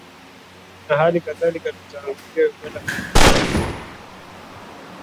na hali kadhalika tutaangazia uganda baada ya uchaguzi mkuu